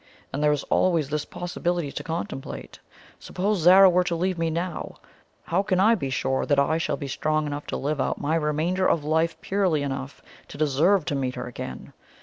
"And there is always this possibility to contemplate suppose Zara were to leave me now, how can I be sure that I shall be strong enough to live out my remainder of life purely enough to deserve to meet her again?